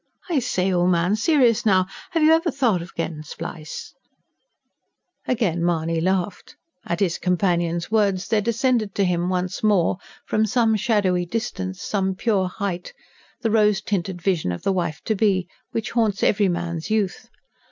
I say, old man, serious now, have you never thought o' gettin' spliced?" Again Mahony laughed. At his companion's words there descended to him, once more, from some shadowy distance, some pure height, the rose tinted vision of the wife to be which haunts every man's youth.